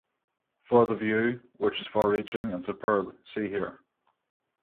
For the view, which is far-reaching and superb, see here.